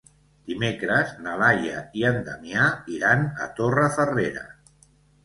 Dimecres na Laia i en Damià iran a Torrefarrera.